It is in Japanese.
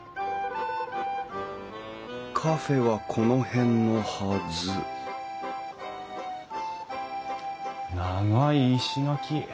カフェはこの辺のはず長い石垣。